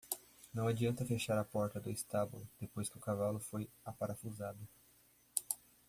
Não adianta fechar a porta do estábulo? depois que o cavalo foi aparafusado.